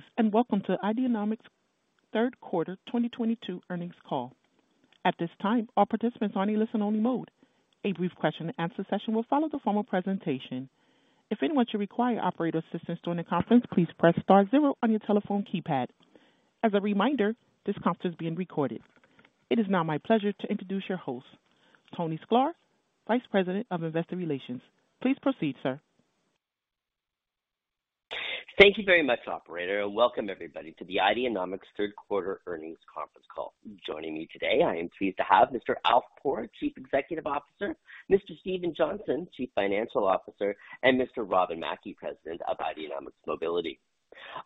Greetings, and welcome to Ideanomics' Third Quarter 2022 Earnings Call. At this time, all participants are in a listen-only mode. A brief question and answer session will follow the formal presentation. If anyone should require operator assistance during the conference, please press star zero on your telephone keypad. As a reminder, this conference is being recorded. It is now my pleasure to introduce your host, Tony Sklar, Vice President of Investor Relations. Please proceed, sir. Thank you very much, operator, and welcome everybody to the Ideanomics Third Quarter Earnings Conference Call. Joining me today, I am pleased to have Mr. Alf Poor, Chief Executive Officer, Mr. Stephen Johnston, Chief Financial Officer, and Mr. Robin Mackie, President of Ideanomics Mobility.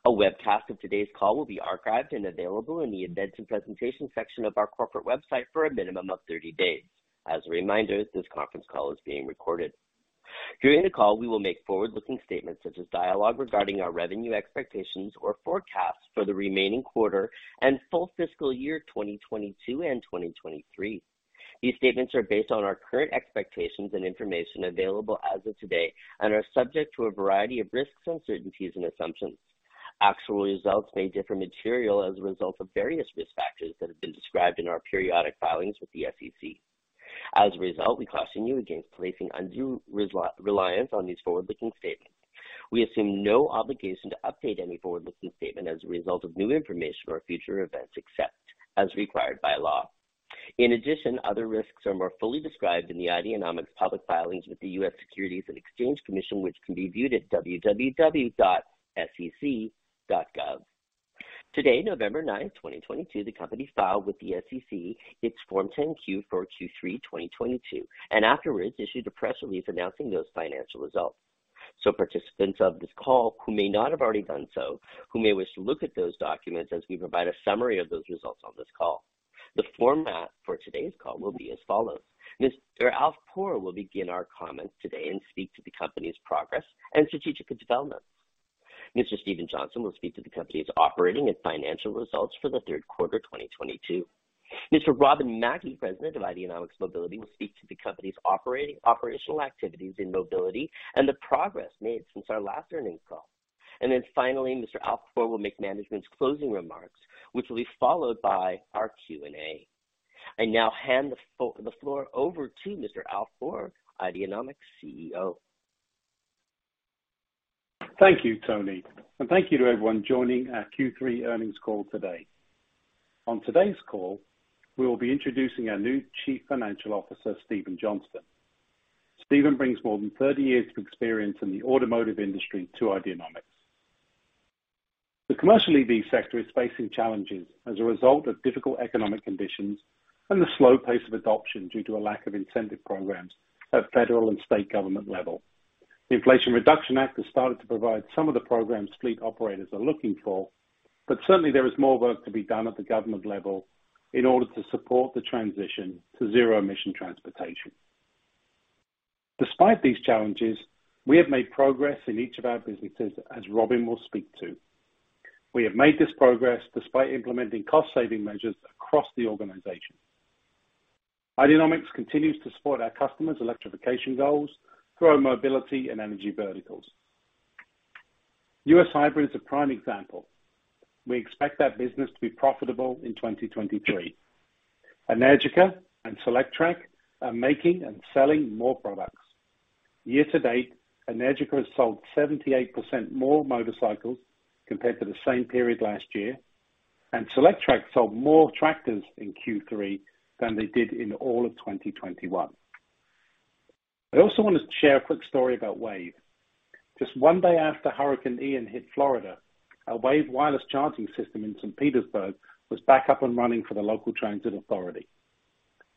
A webcast of today's call will be archived and available in the Events and Presentations section of our corporate website for a minimum of 30 days. As a reminder, this conference call is being recorded. During the call, we will make forward-looking statements such as dialogue regarding our revenue expectations or forecasts for the remaining quarter and full fiscal year 2022 and 2023. These statements are based on our current expectations and information available as of today and are subject to a variety of risks, uncertainties, and assumptions. Actual results may differ materially as a result of various risk factors that have been described in our periodic filings with the SEC. As a result, we caution you against placing undue reliance on these forward-looking statements. We assume no obligation to update any forward-looking statement as a result of new information or future events, except as required by law. In addition, other risks are more fully described in the Ideanomics public filings with the U.S. Securities and Exchange Commission, which can be viewed at www.sec.gov. Today, November ninth, 2022, the company filed with the SEC its Form 10-Q for Q3 2022 and afterwards issued a press release announcing those financial results. Participants of this call who may not have already done so, who may wish to look at those documents as we provide a summary of those results on this call. The format for today's call will be as follows. Mr. Alf Poor will begin our comments today and speak to the company's progress and strategic developments. Mr. Stephen Johnston will speak to the company's operating and financial results for the third quarter 2022. Mr. Robin Mackie, President of Ideanomics Mobility, will speak to the company's operational activities in mobility and the progress made since our last earnings call. Finally, Mr. Alf Poor will make management's closing remarks, which will be followed by our Q&A. I now hand the floor over to Mr. Alf Poor, Ideanomics' CEO. Thank you, Tony, and thank you to everyone joining our Q3 earnings call today. On today's call, we will be introducing our new Chief Financial Officer, Stephen Johnston. Stephen brings more than 30 years of experience in the automotive industry to Ideanomics. The commercial EV sector is facing challenges as a result of difficult economic conditions and the slow pace of adoption due to a lack of incentive programs at federal and state government level. The Inflation Reduction Act has started to provide some of the programs fleet operators are looking for, but certainly, there is more work to be done at the government level in order to support the transition to zero-emission transportation. Despite these challenges, we have made progress in each of our businesses, as Robin will speak to. We have made this progress despite implementing cost-saving measures across the organization. Ideanomics continues to support our customers' electrification goals through our mobility and energy verticals. U.S. Hybrid is a prime example. We expect that business to be profitable in 2023. Energica and Solectrac are making and selling more products. Year to date, Energica has sold 78% more motorcycles compared to the same period last year, and Solectrac sold more tractors in Q3 than they did in all of 2021. I also want to share a quick story about WAVE. Just one day after Hurricane Ian hit Florida, our WAVE wireless charging system in St. Petersburg was back up and running for the local transit authority.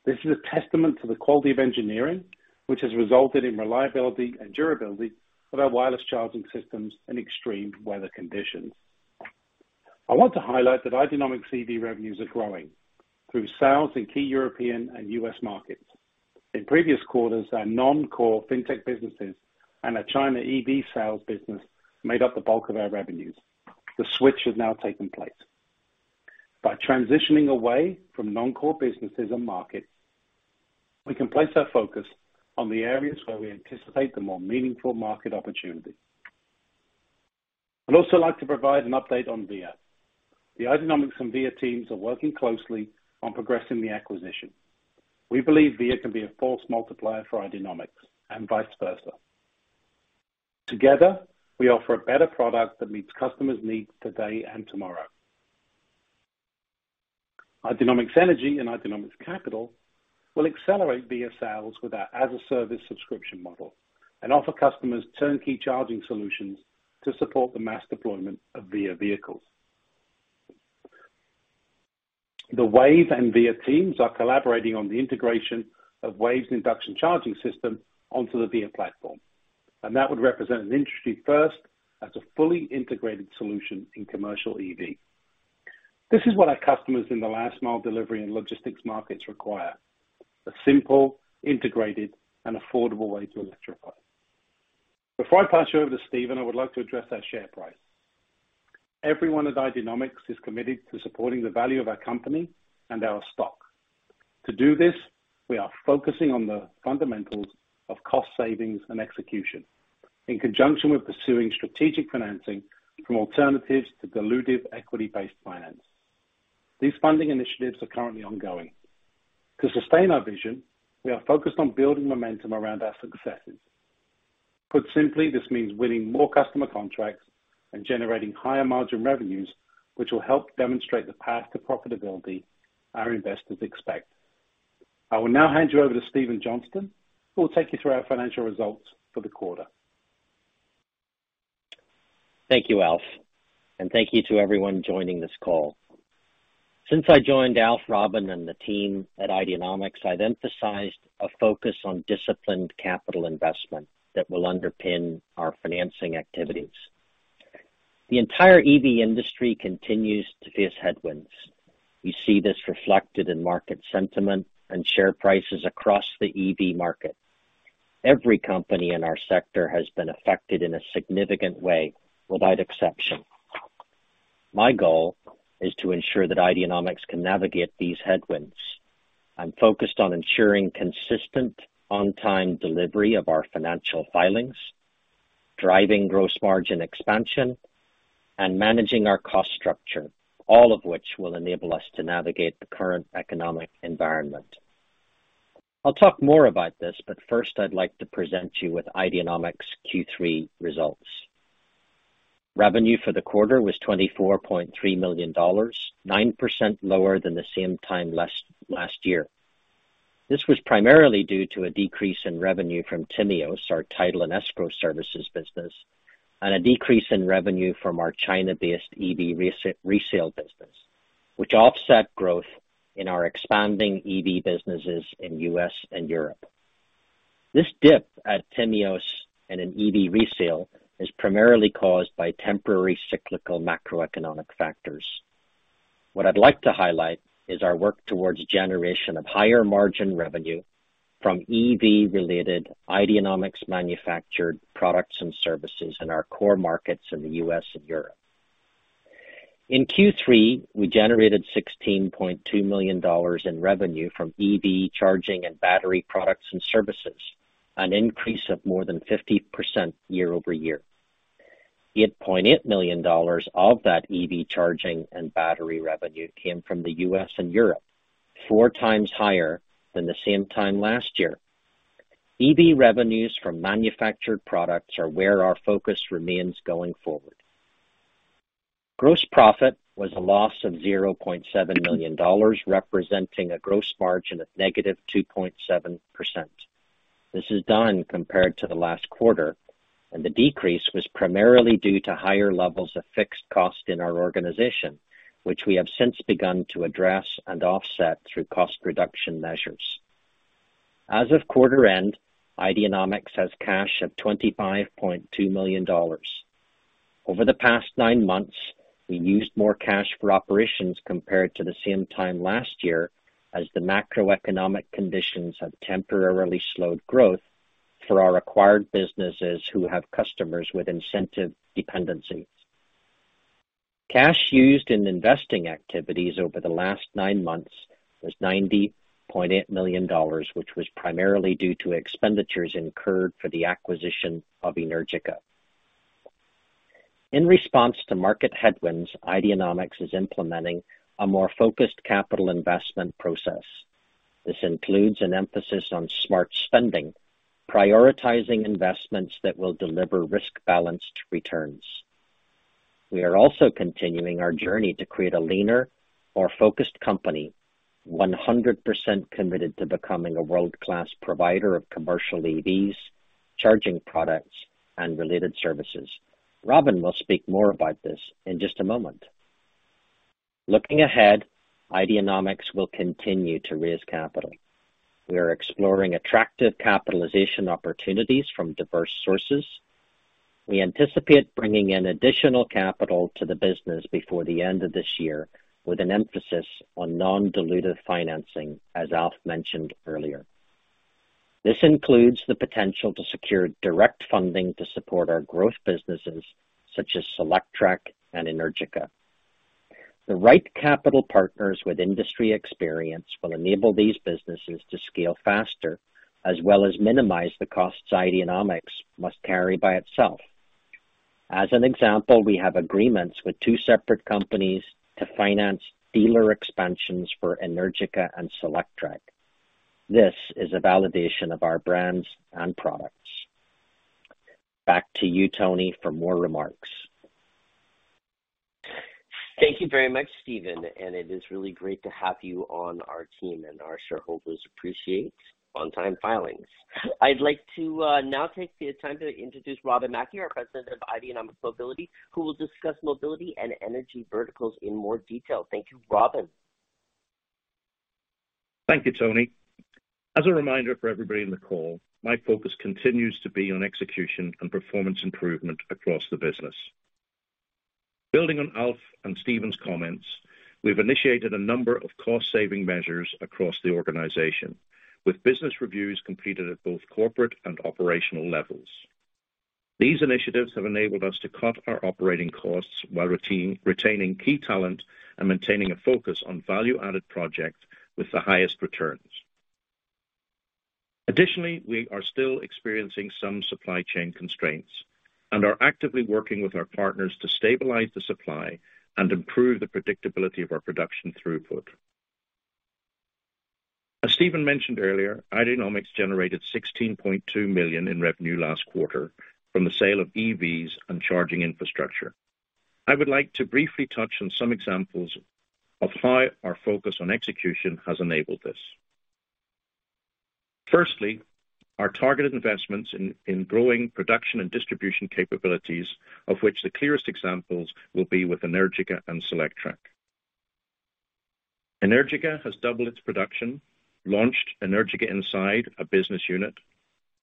This is a testament to the quality of engineering, which has resulted in reliability and durability of our wireless charging systems in extreme weather conditions. I want to highlight that Ideanomics EV revenues are growing through sales in key European and U.S. markets. In previous quarters, our non-core fintech businesses and our China EV sales business made up the bulk of our revenues. The switch has now taken place. By transitioning away from non-core businesses and markets, we can place our focus on the areas where we anticipate the more meaningful market opportunity. I'd also like to provide an update on VIA. The Ideanomics and VIA teams are working closely on progressing the acquisition. We believe VIA can be a force multiplier for Ideanomics and vice versa. Together, we offer a better product that meets customers' needs today and tomorrow. Ideanomics Energy and Ideanomics Capital will accelerate VIA sales with our as a service subscription model and offer customers turnkey charging solutions to support the mass deployment of VIA vehicles. The WAVE and VIA teams are collaborating on the integration of WAVE's induction charging system onto the VIA platform, and that would represent an industry first as a fully integrated solution in commercial EV. This is what our customers in the last mile delivery and logistics markets require, a simple, integrated, and affordable way to electrify. Before I pass you over to Stephen, I would like to address our share price. Everyone at Ideanomics is committed to supporting the value of our company and our stock. To do this, we are focusing on the fundamentals of cost savings and execution in conjunction with pursuing strategic financing from alternatives to dilutive equity-based finance. These funding initiatives are currently ongoing. To sustain our vision, we are focused on building momentum around our successes. Put simply, this means winning more customer contracts and generating higher margin revenues, which will help demonstrate the path to profitability our investors expect. I will now hand you over to Stephen Johnston, who will take you through our financial results for the quarter. Thank you, Alf, and thank you to everyone joining this call. Since I joined Alf, Robin, and the team at Ideanomics, I'd emphasized a focus on disciplined capital investment that will underpin our financing activities. The entire EV industry continues to face headwinds. We see this reflected in market sentiment and share prices across the EV market. Every company in our sector has been affected in a significant way, without exception. My goal is to ensure that Ideanomics can navigate these headwinds. I'm focused on ensuring consistent, on-time delivery of our financial filings, driving gross margin expansion, and managing our cost structure, all of which will enable us to navigate the current economic environment. I'll talk more about this, but first, I'd like to present you with Ideanomics' Q3 results. Revenue for the quarter was $24.3 million, 9% lower than the same time last year. This was primarily due to a decrease in revenue from Timios, our title and escrow services business, and a decrease in revenue from our China-based EV resale business, which offset growth in our expanding EV businesses in U.S. and Europe. This dip at Timios and in EV resale is primarily caused by temporary cyclical macroeconomic factors. What I'd like to highlight is our work towards generation of higher margin revenue from EV-related Ideanomics manufactured products and services in our core markets in the U.S. and Europe. In Q3, we generated $16.2 million in revenue from EV charging and battery products and services, an increase of more than 50% year-over-year. $8.8 million of that EV charging and battery revenue came from the U.S. and Europe, 4x higher than the same time last year. EV revenues from manufactured products are where our focus remains going forward. Gross profit was a loss of $0.7 million, representing a gross margin of -2.7%. This is down compared to the last quarter, and the decrease was primarily due to higher levels of fixed cost in our organization, which we have since begun to address and offset through cost reduction measures. As of quarter end, Ideanomics has cash of $25.2 million. Over the past nine months, we used more cash for operations compared to the same time last year, as the macroeconomic conditions have temporarily slowed growth for our acquired businesses who have customers with incentive dependencies. Cash used in investing activities over the last nine months was $90.8 million, which was primarily due to expenditures incurred for the acquisition of Energica. In response to market headwinds, Ideanomics is implementing a more focused capital investment process. This includes an emphasis on smart spending, prioritizing investments that will deliver risk-balanced returns. We are also continuing our journey to create a leaner, more focused company 100% committed to becoming a world-class provider of commercial EVs, charging products and related services. Robin will speak more about this in just a moment. Looking ahead, Ideanomics will continue to raise capital. We are exploring attractive capitalization opportunities from diverse sources. We anticipate bringing in additional capital to the business before the end of this year, with an emphasis on non-dilutive financing, as Alf mentioned earlier. This includes the potential to secure direct funding to support our growth businesses, such as Solectrac and Energica. The right capital partners with industry experience will enable these businesses to scale faster, as well as minimize the costs Ideanomics must carry by itself. As an example, we have agreements with two separate companies to finance dealer expansions for Energica and Solectrac. This is a validation of our brands and products. Back to you, Tony, for more remarks. Thank you very much, Stephen, and it is really great to have you on our team, and our shareholders appreciate on-time filings. I'd like to now take the time to introduce Robin Mackie, our President of Ideanomics Mobility, who will discuss mobility and energy verticals in more detail. Thank you. Robin? Thank you, Tony. As a reminder for everybody in the call, my focus continues to be on execution and performance improvement across the business. Building on Alf and Stephen's comments, we've initiated a number of cost saving measures across the organization, with business reviews completed at both corporate and operational levels. These initiatives have enabled us to cut our operating costs while retaining key talent and maintaining a focus on value-added projects with the highest returns. Additionally, we are still experiencing some supply chain constraints and are actively working with our partners to stabilize the supply and improve the predictability of our production throughput. As Stephen mentioned earlier, Ideanomics generated $16.2 million in revenue last quarter from the sale of EVs and charging infrastructure. I would like to briefly touch on some examples of how our focus on execution has enabled this. Firstly, our targeted investments in growing production and distribution capabilities, of which the clearest examples will be with Energica and Solectrac. Energica has doubled its production, launched Energica Inside, a business unit,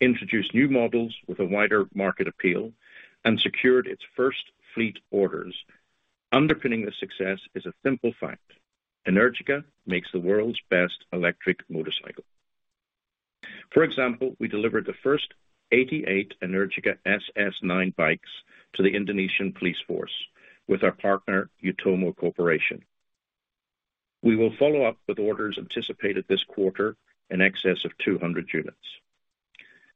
introduced new models with a wider market appeal, and secured its first fleet orders. Underpinning this success is a simple fact: Energica makes the world's best electric motorcycle. For example, we delivered the first 88 Energica SS9 bikes to the Indonesian police force with our partner, UTOMOCORP. We will follow up with orders anticipated this quarter in excess of 200 units.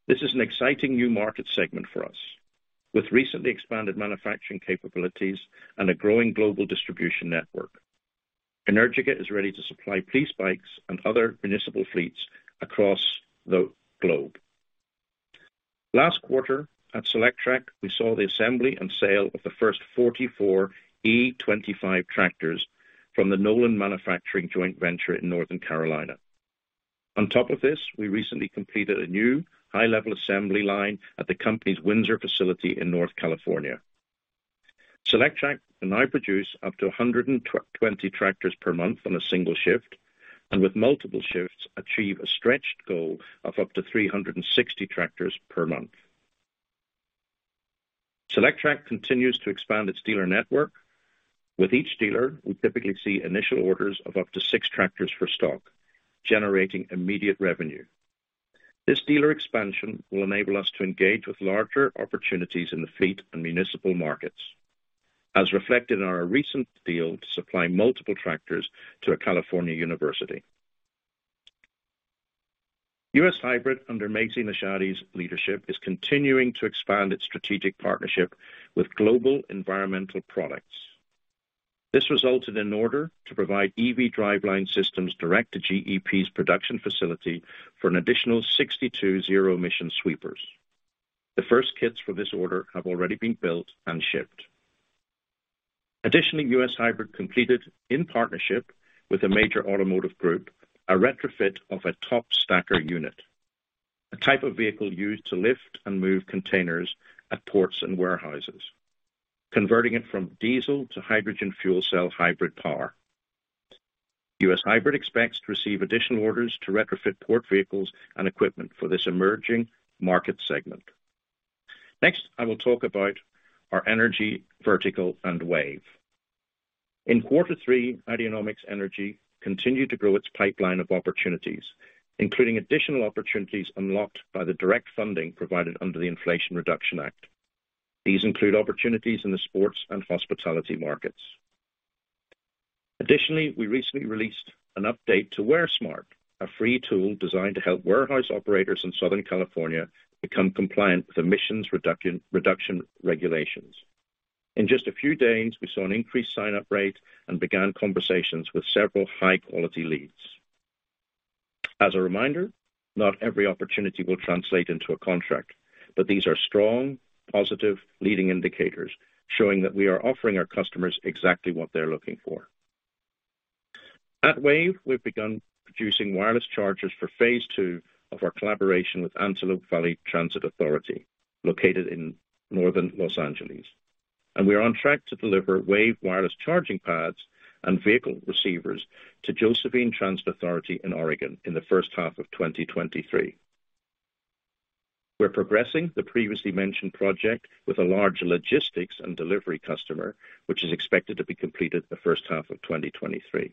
This is an exciting new market segment for us. With recently expanded manufacturing capabilities and a growing global distribution network, Energica is ready to supply police bikes and other municipal fleets across the globe. Last quarter at Solectrac, we saw the assembly and sale of the first 44 e25 tractors from the Nolan Manufacturing joint venture in North Carolina. On top of this, we recently completed a new high-level assembly line at the company's Windsor facility in Northern California. Solectrac can now produce up to 120 tractors per month on a single shift, and with multiple shifts, achieve a stretched goal of up to 360 tractors per month. Solectrac continues to expand its dealer network. With each dealer, we typically see initial orders of up to 6 tractors for stock, generating immediate revenue. This dealer expansion will enable us to engage with larger opportunities in the fleet and municipal markets, as reflected in our recent deal to supply multiple tractors to a California university. U.S. Hybrid under Macy Neshati's leadership is continuing to expand its strategic partnership with Global Environmental Products. This resulted in an order to provide EV driveline systems direct to GEP's production facility for an additional 62 zero emission sweepers. The first kits for this order have already been built and shipped. Additionally, U.S. Hybrid completed in partnership with a major automotive group, a retrofit of a top handler, a type of vehicle used to lift and move containers at ports and warehouses, converting it from diesel to hydrogen fuel cell hybrid power. U.S. Hybrid expects to receive additional orders to retrofit port vehicles and equipment for this emerging market segment. Next, I will talk about our energy vertical and WAVE. In quarter three, Ideanomics Energy continued to grow its pipeline of opportunities, including additional opportunities unlocked by the direct funding provided under the Inflation Reduction Act. These include opportunities in the sports and hospitality markets. Additionally, we recently released an update to WareSmart, a free tool designed to help warehouse operators in Southern California become compliant with emissions reduction regulations. In just a few days, we saw an increased sign-up rate and began conversations with several high-quality leads. As a reminder, not every opportunity will translate into a contract, but these are strong, positive leading indicators showing that we are offering our customers exactly what they're looking for. At WAVE, we've begun producing wireless chargers for phase II of our collaboration with Antelope Valley Transit Authority, located in northern Los Angeles. We are on track to deliver WAVE wireless charging pads and vehicle receivers to Josephine Community Transit in Oregon in the first half of 2023. We're progressing the previously mentioned project with a large logistics and delivery customer, which is expected to be completed the first half of 2023.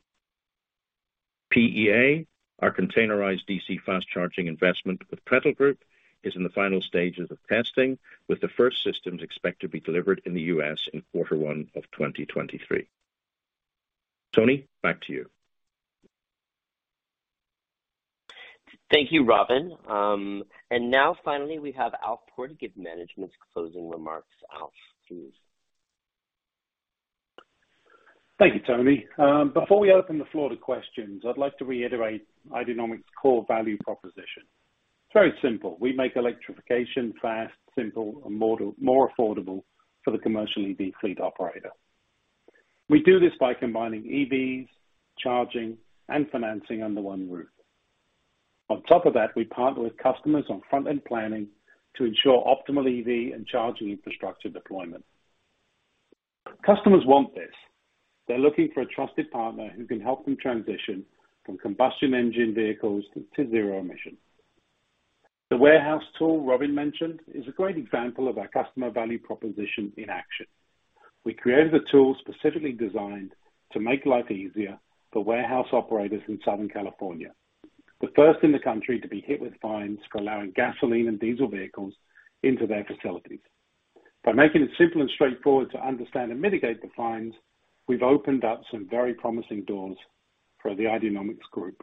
PEA, our containerized DC fast charging investment with Prettl Group, is in the final stages of testing, with the first systems expect to be delivered in the U.S. in quarter one of 2023. Tony, back to you. Thank you, Robin. Now finally, we have Alf Poor to give management's closing remarks. Alf, it's yours. Thank you, Tony. Before we open the floor to questions, I'd like to reiterate Ideanomics' core value proposition. It's very simple. We make electrification fast, simple, and more affordable for the commercial EV fleet operator. We do this by combining EVs, charging, and financing under one roof. On top of that, we partner with customers on front-end planning to ensure optimal EV and charging infrastructure deployment. Customers want this. They're looking for a trusted partner who can help them transition from combustion engine vehicles to zero emission. The warehouse tool Robin mentioned is a great example of our customer value proposition in action. We created a tool specifically designed to make life easier for warehouse operators in Southern California, the first in the country to be hit with fines for allowing gasoline and diesel vehicles into their facilities. By making it simple and straightforward to understand and mitigate the fines, we've opened up some very promising doors for the Ideanomics group.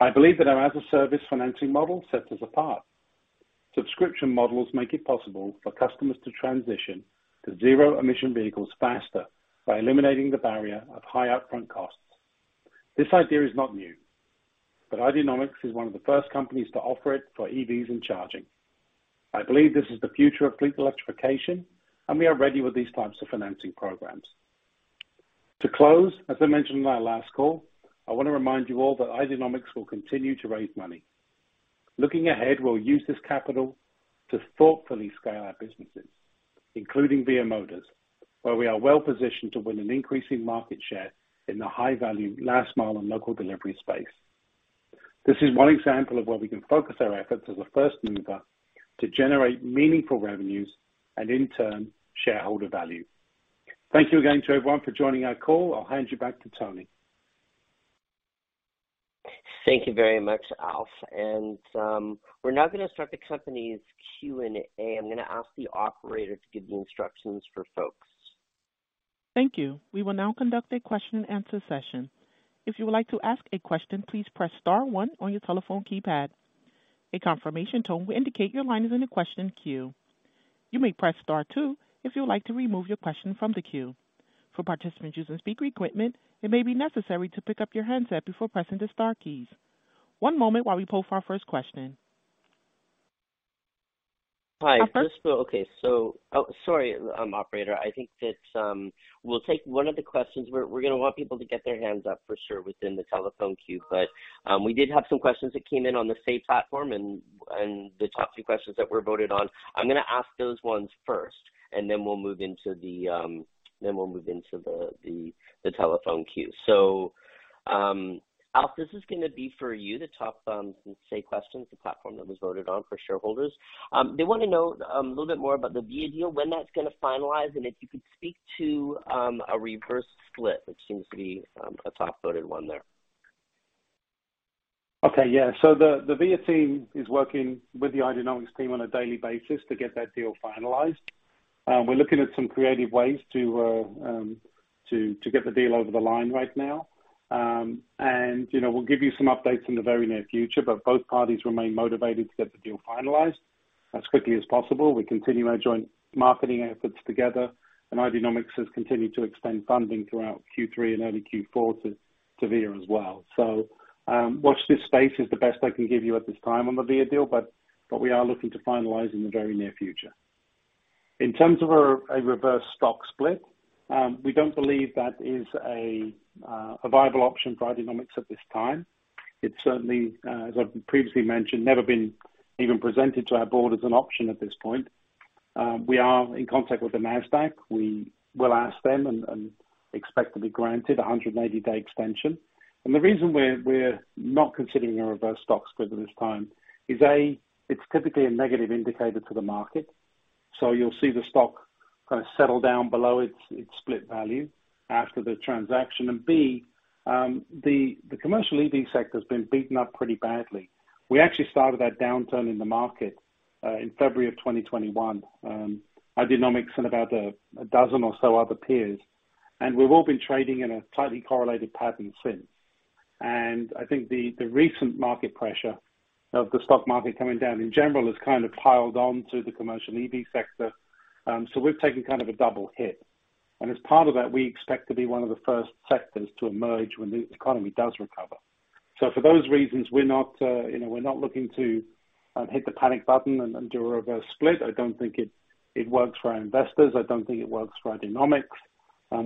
I believe that our as-a-service financing model sets us apart. Subscription models make it possible for customers to transition to zero-emission vehicles faster by eliminating the barrier of high upfront costs. This idea is not new, but Ideanomics is one of the first companies to offer it for EVs and charging. I believe this is the future of fleet electrification, and we are ready with these types of financing programs. To close, as I mentioned in my last call, I want to remind you all that Ideanomics will continue to raise money. Looking ahead, we'll use this capital to thoughtfully scale our businesses, including Via Motors, where we are well-positioned to win an increasing market share in the high-value, last mile and local delivery space. This is one example of where we can focus our efforts as a first mover to generate meaningful revenues and in turn, shareholder value. Thank you again to everyone for joining our call. I'll hand you back to Tony. Thank you very much, Alf. We're now gonna start the company's Q&A. I'm gonna ask the operator to give the instructions for folks. Thank you. We will now conduct a question-and-answer session. If you would like to ask a question, please press star one on your telephone keypad. A confirmation tone will indicate your line is in the question queue. You may press star two if you would like to remove your question from the queue. For participants using speaker equipment, it may be necessary to pick up your handset before pressing the star keys. One moment while we poll for our first question. Hi. Our first- Operator. I think that we'll take one of the questions. We're gonna want people to get their hands up for sure within the telephone queue. We did have some questions that came in on the SaaS platform and the top two questions that were voted on. I'm gonna ask those ones first, and then we'll move into the telephone queue. Alf, this is gonna be for you. The top two questions on the platform that was voted on for shareholders. They wanna know a little bit more about the VIA deal, when that's gonna finalize, and if you could speak to a reverse split, which seems to be a top-voted one there. Okay. Yeah. The VIA team is working with the Ideanomics team on a daily basis to get that deal finalized. We're looking at some creative ways to get the deal over the line right now. You know, we'll give you some updates in the very near future, but both parties remain motivated to get the deal finalized as quickly as possible. We continue our joint marketing efforts together, and Ideanomics has continued to extend funding throughout Q3 and early Q4 to VIA as well. Watch this space is the best I can give you at this time on the VIA deal, but we are looking to finalize in the very near future. In terms of a reverse stock split, we don't believe that is a viable option for Ideanomics at this time. It's certainly, as I've previously mentioned, never been even presented to our board as an option at this point. We are in contact with the Nasdaq. We will ask them and expect to be granted a 180-day extension. The reason we're not considering a reverse stock split at this time is, A, it's typically a negative indicator to the market, so you'll see the stock kinda settle down below its split value after the transaction. B, the commercial EV sector has been beaten up pretty badly. We actually started that downturn in the market in February of 2021. Ideanomics and about a dozen or so other peers, and we've all been trading in a tightly correlated pattern since. I think the recent market pressure of the stock market coming down in general has kind of piled on to the commercial EV sector, so we've taken kind of a double hit. As part of that, we expect to be one of the first sectors to emerge when the economy does recover. For those reasons, we're not, you know, looking to hit the panic button and do a reverse split. I don't think it works for our investors. I don't think it works for Ideanomics.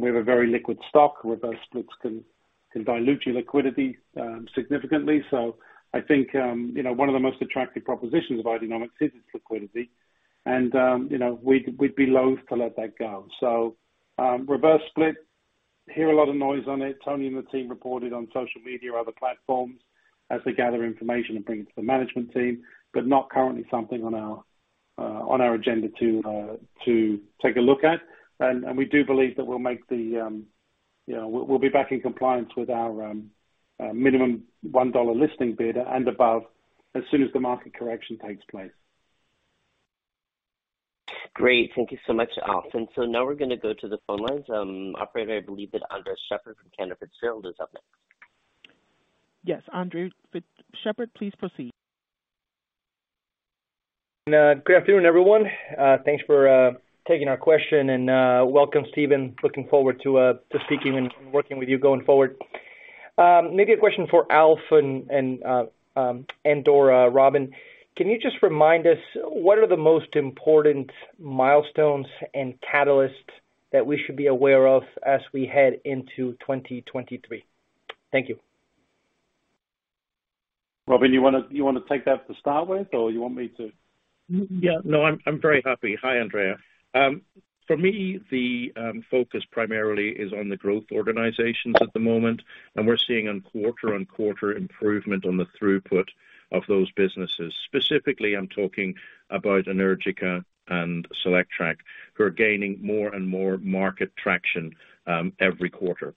We have a very liquid stock. Reverse splits can dilute your liquidity significantly. I think, you know, one of the most attractive propositions of Ideanomics is its liquidity and, you know, we'd be loathed to let that go. Reverse split, hear a lot of noise on it. Tony and the team reported on social media or other platforms as they gather information and bring it to the management team, but not currently something on our agenda to take a look at. We do believe that we'll make the you know we'll be back in compliance with our minimum $1 listing bid and above as soon as the market correction takes place. Great. Thank you so much, Alf. Now we're gonna go to the phone lines. Operator, I believe that Andres Sheppard from Cantor Fitzgerald is up next. Yes. Andres Sheppard, please proceed. Good afternoon, everyone. Thanks for taking our question and welcome, Stephen. Looking forward to speaking and working with you going forward. Maybe a question for Alf and/or Robin. Can you just remind us what are the most important milestones and catalysts that we should be aware of as we head into 2023? Thank you. Robin, you wanna take that to start with or you want me to? I'm very happy. Hi, Andres. For me, the focus primarily is on the growth organizations at the moment, and we're seeing quarter-over-quarter improvement on the throughput of those businesses. Specifically, I'm talking about Energica and Solectrac, who are gaining more and more market traction every quarter.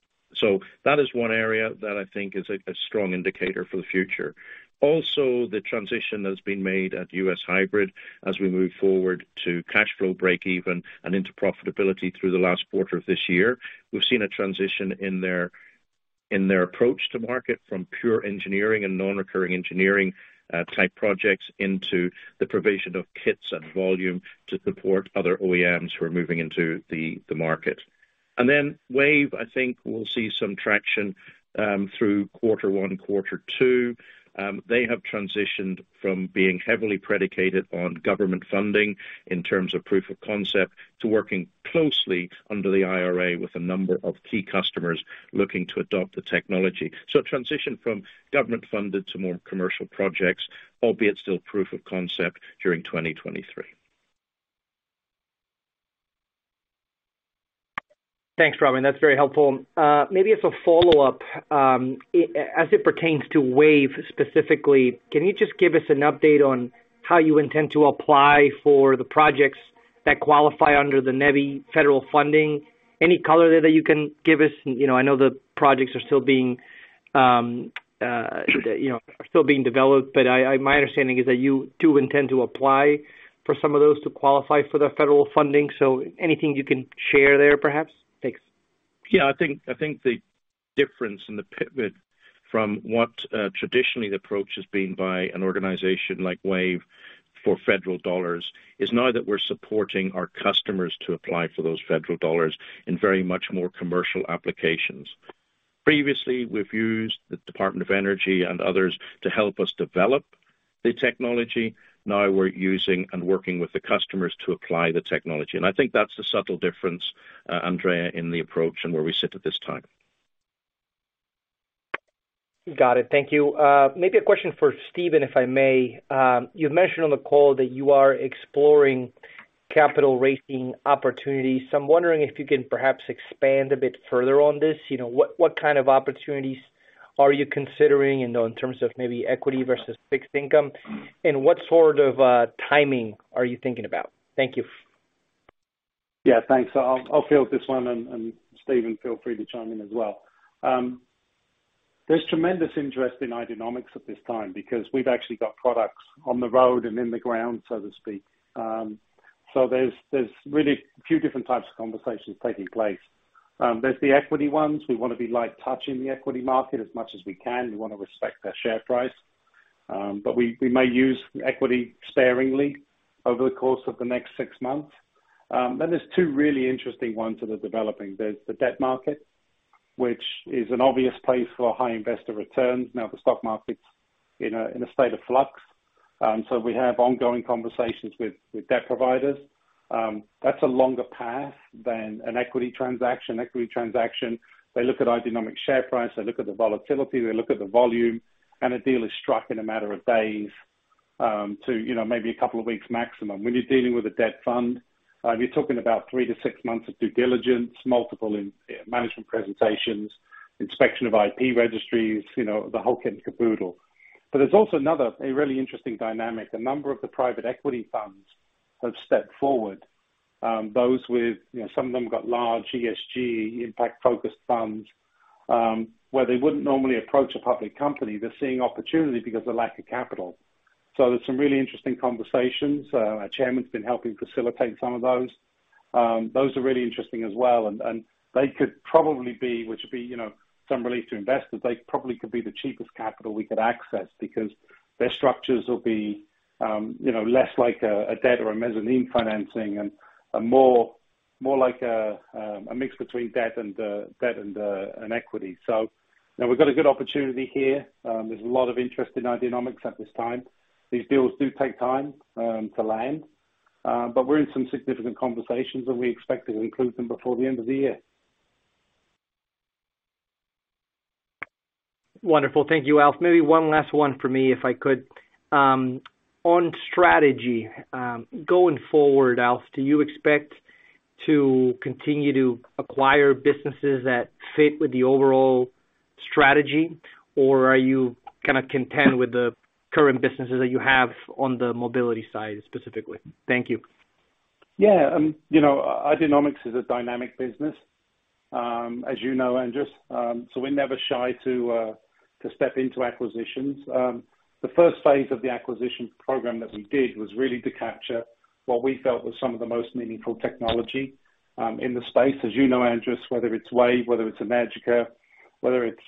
That is one area that I think is a strong indicator for the future. Also, the transition that has been made at U.S. Hybrid as we move forward to cash flow break-even and into profitability through the last quarter of this year. We've seen a transition in their approach to market from pure engineering and non-recurring engineering type projects into the provision of kits and volume to support other OEMs who are moving into the market. WAVE, I think, will see some traction through quarter one, quarter two. They have transitioned from being heavily predicated on government funding in terms of proof of concept, to working closely under the IRA with a number of key customers looking to adopt the technology. A transition from government-funded to more commercial projects, albeit still proof of concept during 2023. Thanks, Robin. That's very helpful. Maybe as a follow-up, as it pertains to WAVE specifically, can you just give us an update on how you intend to apply for the projects that qualify under the NEVI federal funding? Any color there that you can give us? You know, I know the projects are still being developed, but my understanding is that you do intend to apply for some of those to qualify for the federal funding. Anything you can share there, perhaps? Thanks. Yeah. I think the difference in the pivot from what traditionally the approach has been by an organization like WAVE for federal dollars is now that we're supporting our customers to apply for those federal dollars in very much more commercial applications. Previously, we've used the Department of Energy and others to help us develop the technology. Now we're using and working with the customers to apply the technology. I think that's the subtle difference, Andres, in the approach and where we sit at this time. Got it. Thank you. Maybe a question for Stephen, if I may. You've mentioned on the call that you are exploring capital raising opportunities. I'm wondering if you can perhaps expand a bit further on this. You know, what kind of opportunities are you considering, you know, in terms of maybe equity versus fixed income? And what sort of timing are you thinking about? Thank you. Yeah, thanks. I'll field this one and Stephen, feel free to chime in as well. There's tremendous interest in Ideanomics at this time because we've actually got products on the road and in the ground, so to speak. There's really a few different types of conversations taking place. There's the equity ones. We wanna be lightly touching the equity market as much as we can. We wanna respect our share price, but we may use equity sparingly over the course of the next six months. There's two really interesting ones that are developing. There's the debt market, which is an obvious place for high investor returns. Now, the stock market's in a state of flux, so we have ongoing conversations with debt providers. That's a longer path than an equity transaction. Equity transaction, they look at Ideanomics share price, they look at the volatility, they look at the volume, and a deal is struck in a matter of days, you know, maybe a couple of weeks maximum. When you're dealing with a debt fund, you're talking about three-six months of due diligence, multiple in-person management presentations, inspection of IP registries, you know, the whole kit and caboodle. There's also another, a really interesting dynamic. A number of the private equity funds have stepped forward. Those with, you know, some of them got large ESG impact-focused funds, where they wouldn't normally approach a public company. They're seeing opportunity because of the lack of capital. There's some really interesting conversations. Our chairman's been helping facilitate some of those. Those are really interesting as well. They could probably be some relief to investors. They probably could be the cheapest capital we could access because their structures will be, you know, less like a debt or a mezzanine financing and more like a mix between debt and equity. You know, we've got a good opportunity here. There's a lot of interest in Ideanomics at this time. These deals do take time to land, but we're in some significant conversations, and we expect to conclude them before the end of the year. Wonderful. Thank you, Alf. Maybe one last one for me, if I could. On strategy, going forward, Alf, do you expect to continue to acquire businesses that fit with the overall strategy, or are you kinda content with the current businesses that you have on the mobility side, specifically? Thank you. Yeah. You know, Ideanomics is a dynamic business, as you know, Andres. We're never shy to step into acquisitions. The first phase of the acquisition program that we did was really to capture what we felt was some of the most meaningful technology in the space. As you know, Andres, whether it's WAVE, whether it's Energica, whether it's,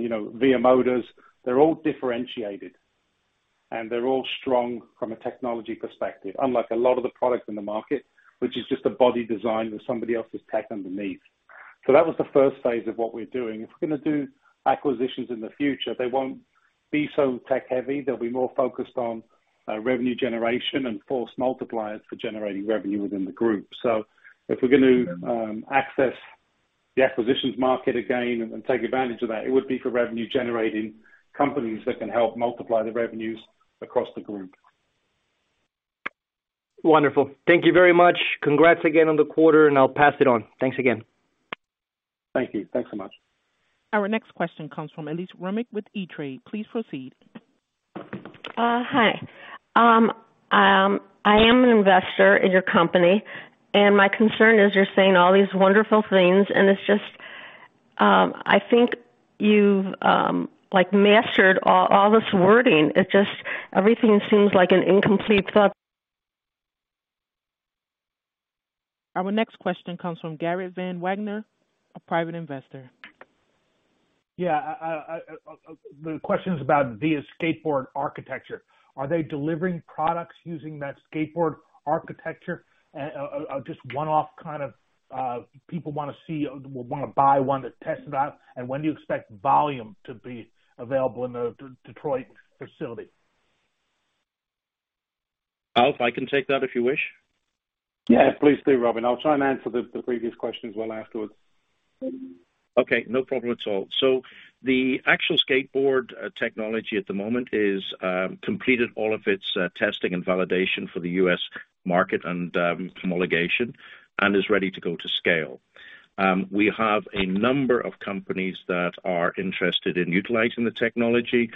you know, Via Motors, they're all differentiated, and they're all strong from a technology perspective, unlike a lot of the products in the market, which is just a body design with somebody else's tech underneath. That was the first phase of what we're doing. If we're gonna do acquisitions in the future, they won't be so tech-heavy. They'll be more focused on revenue generation and force multipliers for generating revenue within the group. If we're gonna access the acquisitions market again and take advantage of that. It would be for revenue-generating companies that can help multiply the revenues across the group. Wonderful. Thank you very much. Congrats again on the quarter, and I'll pass it on. Thanks again. Thank you. Thanks so much. Our next question comes from Elise Rummick with E*TRADE. Please proceed. Hi. I am an investor in your company, and my concern is you're saying all these wonderful things and it's just, I think you've like mastered all this wording. It just everything seems like an incomplete thought. Our next question comes from Garrett Van Wagoner, a private investor. Yeah. The question is about the skateboard architecture. Are they delivering products using that skateboard architecture? Just one-off kind of, people wanna see or would wanna buy one to test it out. When do you expect volume to be available in the Detroit facility? Alf, I can take that if you wish. Yeah, please do, Robin. I'll try and answer the previous questions well afterwards. Okay, no problem at all. The actual skateboard technology at the moment is completed all of its testing and validation for the U.S. market and homologation and is ready to go to scale. We have a number of companies that are interested in utilizing the technology,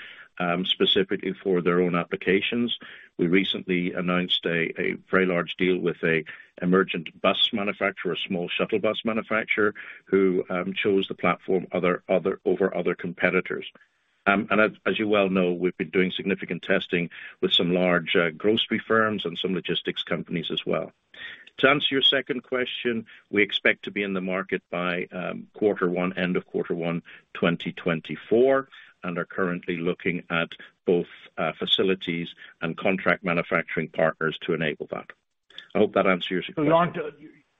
specifically for their own applications. We recently announced a very large deal with a emerging bus manufacturer, a small shuttle bus manufacturer, who chose the platform over other competitors. As you well know, we've been doing significant testing with some large grocery firms and some logistics companies as well. To answer your second question, we expect to be in the market by quarter one, end of quarter one, 2024, and are currently looking at both facilities and contract manufacturing partners to enable that. I hope that answers your question.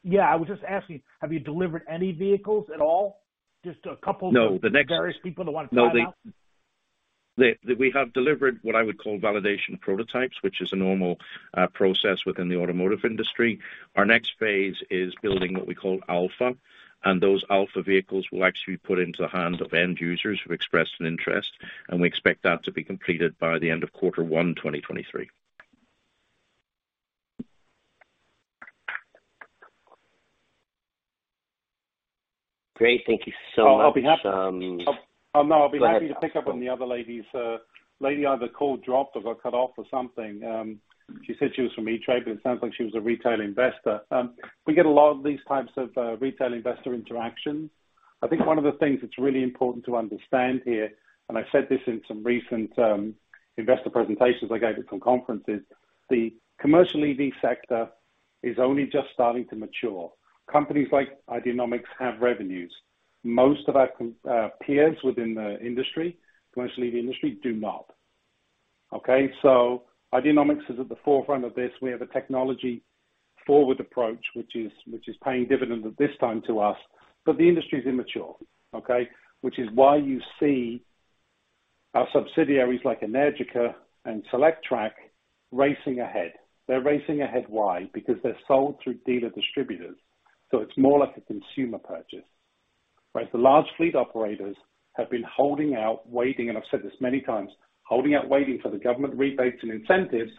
Yeah, I was just asking, have you delivered any vehicles at all? Just a couple. No. To various people that wanna try it out. No. We have delivered what I would call validation prototypes, which is a normal process within the automotive industry. Our next phase is building what we call alpha. Those alpha vehicles will actually be put into the hands of end users who've expressed an interest, and we expect that to be completed by the end of quarter one, 2023. Great. Thank you so much. Oh, I'll be happy. Go ahead, Alf. I'll be happy to pick up on the other lady's call either dropped or got cut off or something. She said she was from E*TRADE, but it sounds like she was a retail investor. We get a lot of these types of retail investor interactions. I think one of the things that's really important to understand here, and I said this in some recent investor presentations I gave at some conferences, the commercial EV sector is only just starting to mature. Companies like Ideanomics have revenues. Most of our peers within the industry, commercial EV industry, do not. Okay? Ideanomics is at the forefront of this. We have a technology forward approach, which is paying dividends at this time to us. The industry is immature, okay? Which is why you see our subsidiaries like Energica and Solectrac racing ahead. They're racing ahead why? Because they're sold through dealer distributors, so it's more like a consumer purchase. Right? The large fleet operators have been holding out, waiting, and I've said this many times, holding out waiting for the government rebates and incentives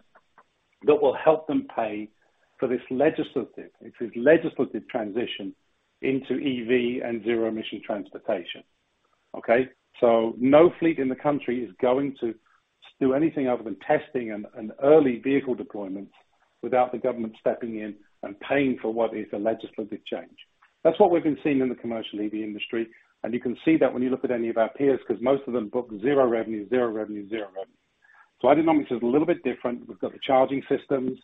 that will help them pay for this legislative, it is legislative transition into EV and zero emission transportation. Okay? No fleet in the country is going to do anything other than testing and early vehicle deployments without the government stepping in and paying for what is a legislative change. That's what we've been seeing in the commercial EV industry, and you can see that when you look at any of our peers, 'cause most of them book zero revenue. Ideanomics is a little bit different. We've got the charging systems.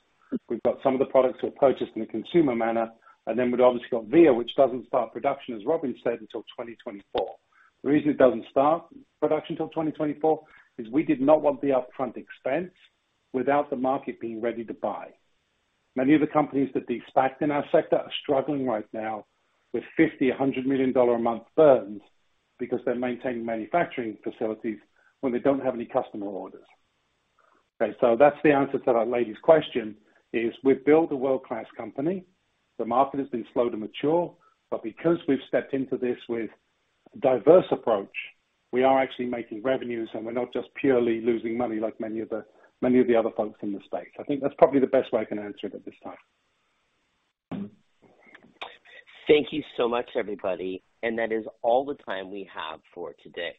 We've got some of the products that were purchased in a consumer manner. We've obviously got VIA, which doesn't start production, as Robin said, until 2024. The reason it doesn't start production till 2024 is we did not want the upfront expense without the market being ready to buy. Many of the companies that we expect in our sector are struggling right now with $50 million, $100 million a month burns because they're maintaining manufacturing facilities when they don't have any customer orders. Okay. That's the answer to that lady's question is, we've built a world-class company. The market has been slow to mature, but because we've stepped into this with diverse approach, we are actually making revenues, and we're not just purely losing money like many of the other folks in the space. I think that's probably the best way I can answer it at this time. Thank you so much, everybody. That is all the time we have for today.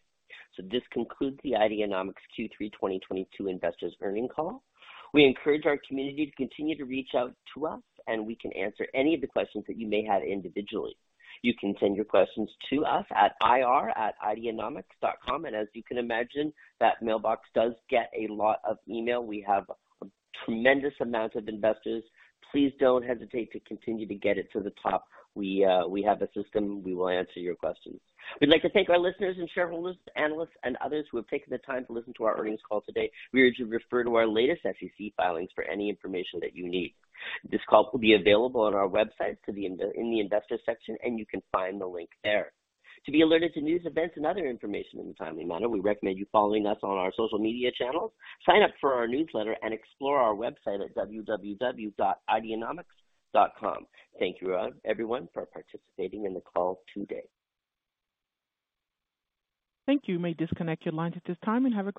This concludes the Ideanomics Q3 2022 investors' earnings call. We encourage our community to continue to reach out to us, and we can answer any of the questions that you may have individually. You can send your questions to us at ir@ideanomics.com. As you can imagine that mailbox does get a lot of email. We have a tremendous amount of investors. Please don't hesitate to continue to get it to the top. We have the system. We will answer your questions. We'd like to thank our listeners and shareholders, analysts, and others who have taken the time to listen to our earnings call today. We urge you to refer to our latest SEC filings for any information that you need. This call will be available on our website in the investor section, and you can find the link there. To be alerted to news, events, and other information in a timely manner, we recommend you following us on our social media channels. Sign up for our newsletter and explore our website at www.ideanomics.com. Thank you, everyone for participating in the call today. Thank you. You may disconnect your lines at this time and have a great day.